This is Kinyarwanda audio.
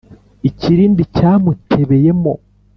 ikirindi cyamutebeye mo